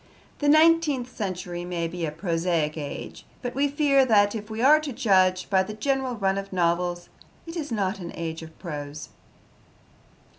The nineteenth century may be a prosaic age, but we fear that, if we are to judge by the general run of novels, it is not an age of prose.